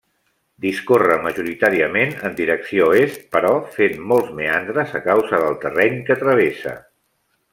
Discorre majoritàriament en direcció est, però fent molts meandres a causa del terreny que travessa.